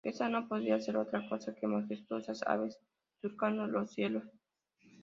Esto no podía ser otra cosa que majestuosas aves surcando los cielos.